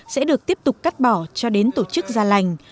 sẽ được tiếp tục cắt bỏ cho đến tổ chức ra lành